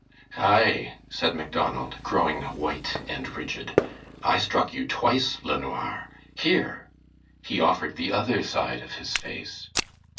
"Ay," said Macdonald, growing white and rigid. "I struck you twice, LeNoir. Here!" he offered the other side of his face.